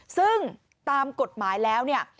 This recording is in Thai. ซึ่งตามกฎหมายแล้วเนี่ย